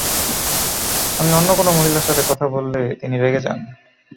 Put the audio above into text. আমি অন্য কোনো মহিলার সাথে কথা বললে তিনি রেগে যান।